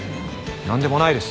なんでもないです。